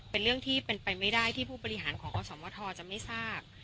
เป็นเรื่องที่เป็นไปไม่ได้ที่ผู้บริหารของอสมทจะไม่ทราบ